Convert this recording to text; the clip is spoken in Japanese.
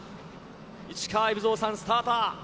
市川海老蔵さんスターター。